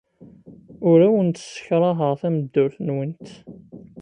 Ur awent-ssekṛaheɣ tameddurt-nwent.